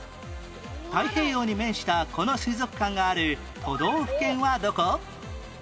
太平洋に面したこの水族館がある都道府県はどこ？